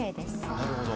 あなるほど。